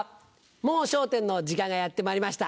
『もう笑点』の時間がやってまいりました。